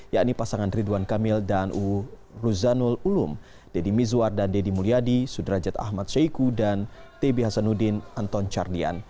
yakni pasangan ridwan kamil dan uruzanul ulum dedy mizwar dan dedy mulyadi sudrajat ahmad syeku dan t b hasanuddin anton chardian